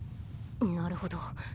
なるほど。